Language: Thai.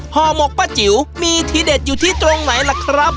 ห่อหมกป้าจิ๋วมีทีเด็ดอยู่ที่ตรงไหนล่ะครับ